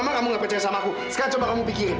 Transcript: jangan percaya sama dia mila